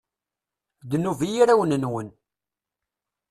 Ddnub i yirawen-nwen!